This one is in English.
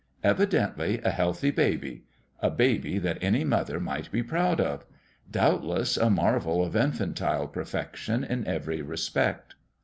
Evidently a healthy baby a baby that any mother might be proud of doubtless a marvel of infantile perfection in every respect.